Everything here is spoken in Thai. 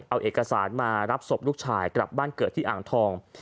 เอาเอกสารมารับศพลูกชายกลับบ้านเกิดที่อ่างทอง